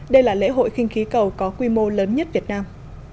đây là lễ hội khinh khí cầu có quy mô lớn nhất việt nam